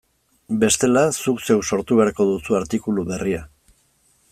Bestela, zuk zeuk sortu beharko duzu artikulu berria.